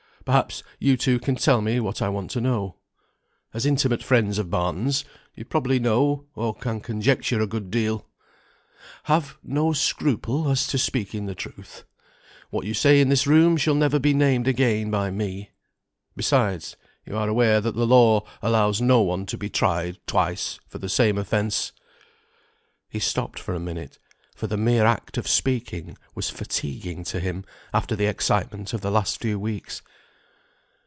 Perhaps you two can tell me what I want to know. As intimate friends of Barton's you probably know, or can conjecture a good deal. Have no scruple as to speaking the truth. What you say in this room shall never be named again by me. Besides, you are aware that the law allows no one to be tried twice for the same offence." He stopped for a minute, for the mere act of speaking was fatiguing to him after the excitement of the last few weeks.